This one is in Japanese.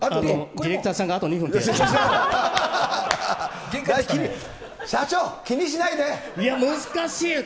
ディレクターさんがあと２分限界ですかね。